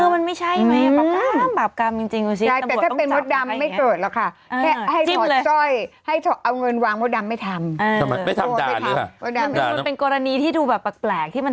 เขากำลังมาพึ่งพาเนี่ย